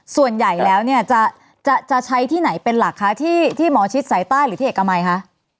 ส่วนใหญ่แล้วเนี่ยจะใช้ที่ไหนเป็นหลักคะที่หมอชิดสายใต้หรือที่เอกมัยคะ